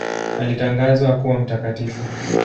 Alitangazwa kuwa mtakatifu.